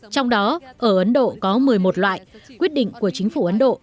trong đó ở ấn độ có một mươi một loại quyết định của chính phủ ấn độ